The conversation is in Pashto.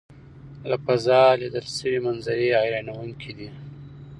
له فضا لیدل شوي منظرې حیرانوونکې دي.